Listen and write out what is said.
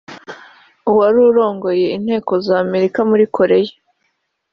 uwarurongoye inteko za Amerika muri Korea